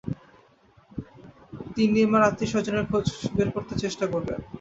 তিন্নির মার আত্মীয়স্বজনের খোঁজ বের করতে চেষ্টা করবেন।